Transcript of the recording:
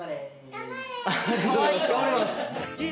頑張ります！